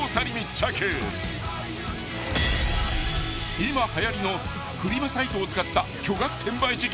［今はやりのフリマサイトを使った巨額転売事件］